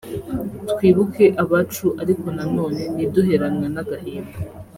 twibuke abacu ariko na none ntiduheranwe n’agahinda”